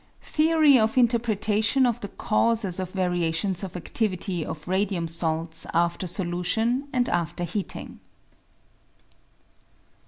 Theory of Interpretation of the Causes of Variations of Activity of Radium Salts after Solution and after Heating.